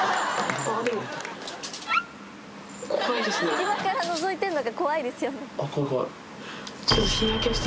隙間からのぞいてんの怖いですよね。